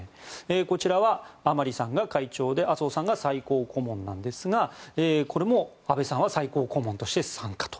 こちらは甘利さんが会長で麻生さんが最高顧問なんですがこれも安倍さんは最高顧問として参加と。